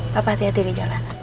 papa hati hati di jalanan